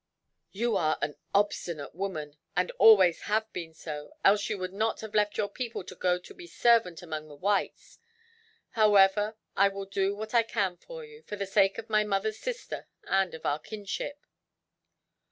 "You are an obstinate woman, and always have been so; else you would not have left your people to go to be servant among the whites. However, I will do what I can for you, for the sake of my mother's sister and of our kinship."